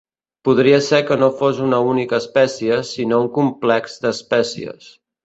Podria ser que no fos una única espècie, sinó un complex d'espècies.